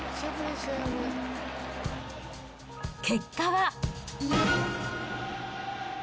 結果は。